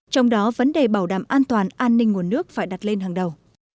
trong đó vấn đề bảo đảm an toàn an ninh nguồn nước phải đặt lên hàng đầu